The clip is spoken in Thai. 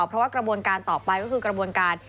เพราะว่ากระบวนการต่อไปก็คือกระบวนการ